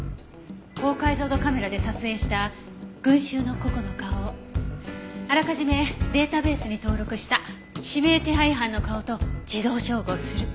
高解像度カメラで撮影した群衆の個々の顔をあらかじめデータベースに登録した指名手配犯の顔と自動照合する。